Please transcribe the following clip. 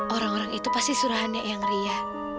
orang orang itu pasti surahannya yang riah